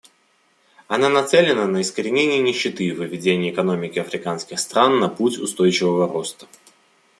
Она нацелена на искоренение нищеты и выведение экономики африканских стран на путь устойчивого роста.